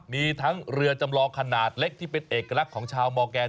มีทั้งเรือจำลองขนาดเล็กที่เป็นเอกลักษณ์ของชาวมอร์แกน